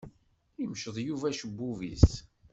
Imceḍ Yuba acebbub-is.